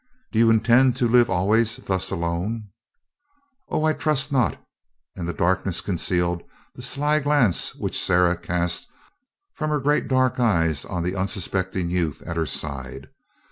"Do you intend to live always thus alone?" "Oh, I trust not," and the darkness concealed the sly glance which Sarah cast from her great dark eyes on the unsuspecting youth at her side.